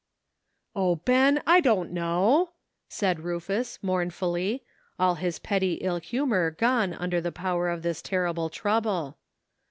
"O, Ben ! I don't know," said Rufus mourn fully, all his petty ill humor gone under the power of this terrible trouble.